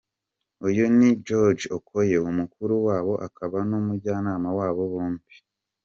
Uyu ni Jude Okoye, mukuru wabo akaba n’umujyanama wabo bombi.